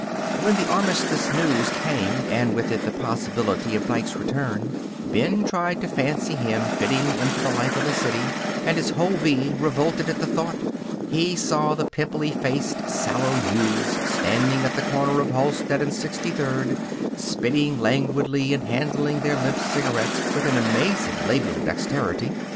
When the Armistice news came, and with it the possibility of Dike's return, Ben tried to fancy him fitting into the life of the city. And his whole being revolted at the thought. He saw the pimply faced, sallow youths standing at the corner of Halsted and Sixty third, spitting languidly and handling their limp cigarettes with an amazing labial dexterity.